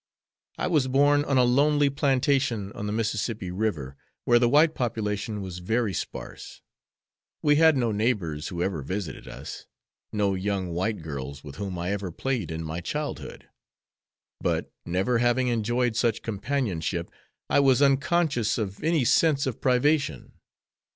I was born on a lonely plantation on the Mississippi River, where the white population was very sparse. We had no neighbors who ever visited us; no young white girls with whom I ever played in my childhood; but, never having enjoyed such companionship, I was unconscious of any sense of privation.